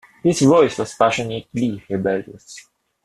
His voice was passionately rebellious.